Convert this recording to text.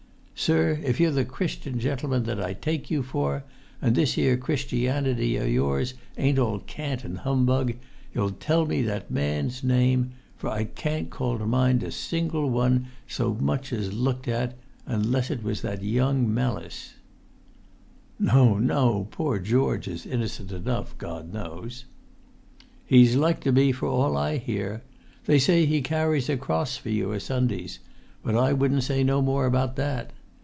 Sir, if you're the Christian gentleman that I take you for, and this here Christian[Pg 23]ity o' yours ain't all cant an' humbug, you'll tell me that man's name; for I can't call to mind a single one she so much as looked at—unless it was that young Mellis." "No, no; poor George is innocent enough, God knows!" "He's like to be, for all I hear. They say he carries a cross for you o' Sundays—but I won't say no more about that.